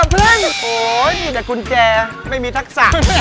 โอ๊ยมีแต่กุญแจไม่มีทักษะ